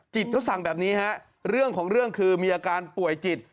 จิตเขาสั่งแบบนี้ฮะเรื่องของเรื่องคือมีอาการป่วยจิต